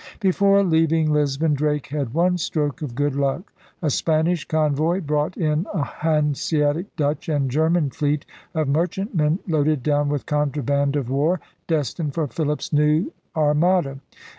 Before leaving Lisbon Drake had one stroke of good luck. A Spanish convoy brought in a Han seatic Dutch and German fleet of merchantmen loaded down with contraband of war destined for Philip's new Armada.